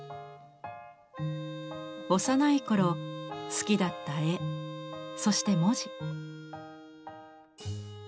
幼い頃好きだった絵そして文字。